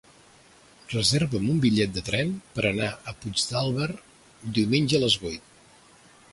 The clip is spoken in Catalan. Reserva'm un bitllet de tren per anar a Puigdàlber diumenge a les vuit.